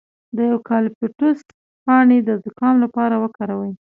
د یوکالیپټوس پاڼې د زکام لپاره وکاروئ